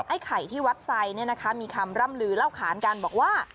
ไอ้ไข่ที่วัดใส่เนี่ยนะคะมีคำร่ำลือเล่าขานการบอกว่า